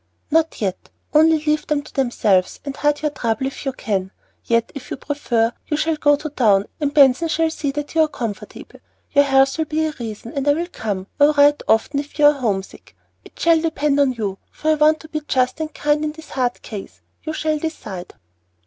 "Not yet, only leave them to themselves, and hide your trouble if you can. Yet, if you prefer, you shall go to town, and Benson shall see that you are comfortable. Your health will be a reason, and I will come, or write often, if you are homesick. It shall depend on you, for I want to be just and kind in this hard case. You shall decide."